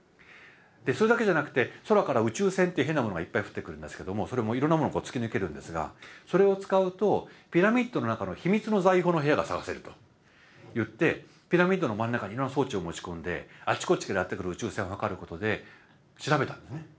それだけじゃなくて空から宇宙線って変なものがいっぱい降ってくるんですけどもそれもいろんなものを突き抜けるんですがそれを使うとピラミッドの中の秘密の財宝の部屋が探せるといってピラミッドの真ん中にいろんな装置を持ち込んであちこちからやって来る宇宙線を測ることで調べたんですね。